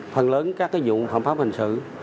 phần lớn các cái vụ hợp pháp hình sự